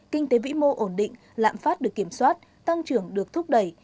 kinh tế vĩ mô ổn định lạm phát được kiểm soát tăng trưởng được thúc đẩy